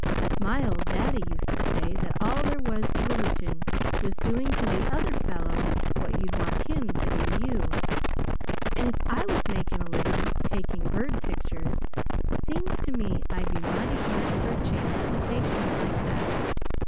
My old daddy used to say that all there was to religion was doing to the other fellow what you'd want him to do to you, and if I was making a living taking bird pictures, seems to me I'd be mighty glad for a chance to take one like that.